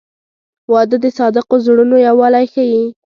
• واده د صادقو زړونو یووالی ښیي.